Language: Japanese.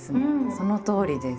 そのとおりです。